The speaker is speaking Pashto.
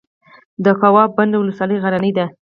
د کوه بند ولسوالۍ غرنۍ ده